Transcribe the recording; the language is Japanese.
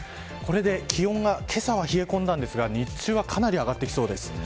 これで気温がけさは冷え込んだんですが日中はかなり上がってきそうです。